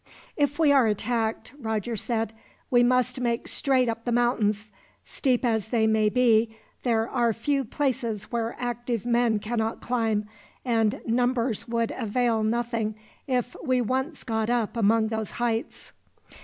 "If we are attacked," Roger said, "we must make straight up the mountains. Steep as they may be, there are few places where active men cannot climb, and numbers would avail nothing if we once got up among those heights."